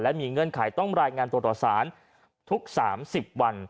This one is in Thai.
มีเงื่อนไขต้องรายงานตัวต่อสารทุก๓๐วัน